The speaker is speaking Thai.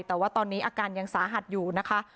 แต่ว่าตอนนี้อาการยังสาหัสอยู่นะคะ